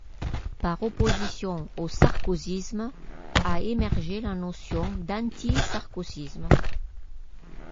Par opposition au sarkozysme, a émergé la notion d'anti-sarkozysme.